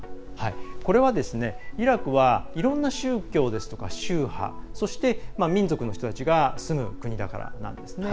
これは、イラクはいろんな宗教ですとか宗派、そして民族の人たちが住む国だからなんですね。